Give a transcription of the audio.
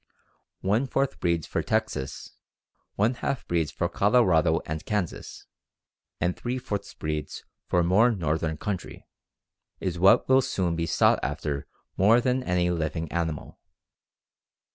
One fourth breeds for Texas, one half breeds for Colorado and Kansas, and three fourths breeds for more northern country, is what will soon be sought after more than any living animal.